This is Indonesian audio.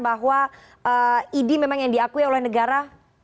bahwa idi memang yang diakui oleh negara